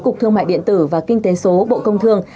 cục thương mại điện tử và kinh tế số bộ công thương